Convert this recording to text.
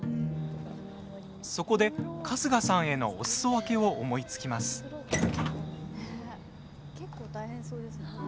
そこで、春日さんへのおすそ分けを思いつきます。